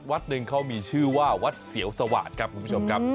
วัดหนึ่งเขามีชื่อว่าวัดเสียวสวาสครับคุณผู้ชมครับ